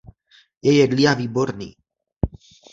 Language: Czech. Je jedlý a výborný.